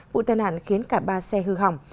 vụ tai nạn khiến cả ba xe hư hỏng